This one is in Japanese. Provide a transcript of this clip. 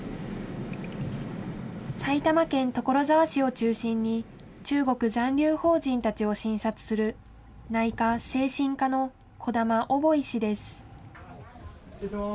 埼玉県所沢市を中心に、中国残留邦人たちを診察する内科・精神科の児玉奥博医師です。